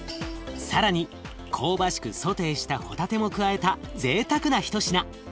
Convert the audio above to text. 更に香ばしくソテーしたほたても加えたぜいたくな一品。